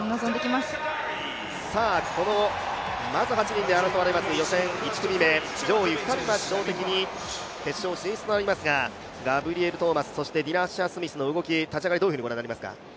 まずこの８人で争われます予選１組目、上位２人は自動的に決勝進出となりますがガブリエル・トーマス、ディナ・アッシャースミスの動き、立ち上がりはどのようにご覧になりますか？